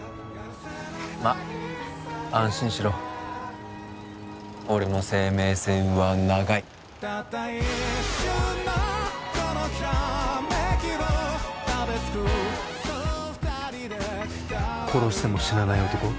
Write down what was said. まっ安心しろ俺の生命線は長い殺しても死なない男